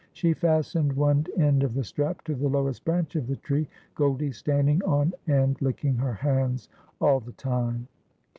She fastened one end of the strap to the lowest branch of the tree, Goldie standing on end licking her hands all the time.